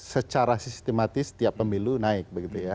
secara sistematis setiap pemilu naik